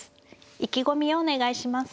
意気込みをお願いします。